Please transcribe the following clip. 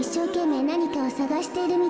なにかをさがしているみたいだった。